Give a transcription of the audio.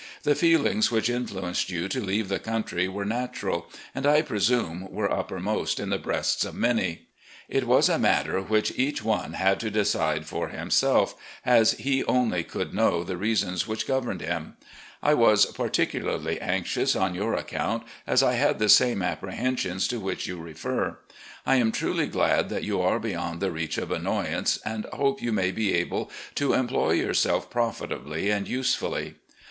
The feelings which influenced you to leave the country were natural, and, I presume, were uppermost in the breasts of many. It was a matter which each one had to decide for bimsalf, LEE'S OPINION UPON THE LATE WAR 221 as he only cotild know the reasons which governed him. I was particularly anxious on your account, as I had the same apprehensions to which you refer. I am truly glad that you are beyond the reach of annoyance, and hope you may be able to employ yourself profitably and usefully.